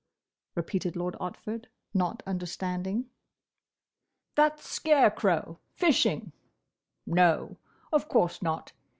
repeated Lord Otford, not understanding. "That scare crow, fishing. No; of course not.